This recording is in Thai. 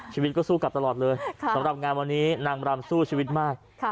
ชีวิตก็สู้กลับตลอดเลยสำหรับงานวันนี้นางรำสู้ชีวิตมาก